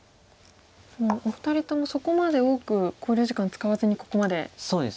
お二人ともそこまで多く考慮時間使わずにここまでこられてますね。